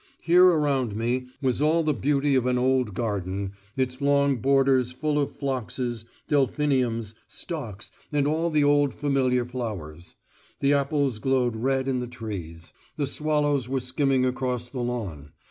Here around me was all the beauty of an old garden, its long borders full of phloxes, delphiniums, stocks, and all the old familiar flowers; the apples glowed red in the trees; the swallows were skimming across the lawn.